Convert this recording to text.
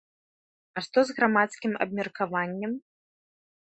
А што з грамадскім абмеркаваннем?